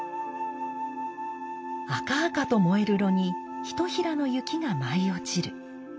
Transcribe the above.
赤々と燃える炉にひとひらの雪が舞い落ちる。